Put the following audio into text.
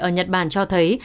ở nhật bản cho thấy